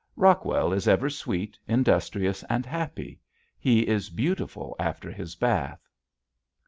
Rockwell is ever sweet, industrious, and happy. He is beautiful after his bath.